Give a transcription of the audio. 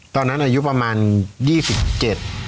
ตอนนั้นอายุประมาณยี่สิบเจ็ด